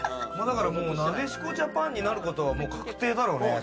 なでしこジャパンになることは確定だろうね。